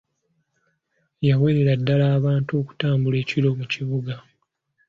Yawerera ddala abantu okutambula ekiro mu Kibuga.